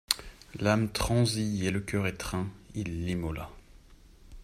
L'âme transie et le cœur étreint, il l'immola.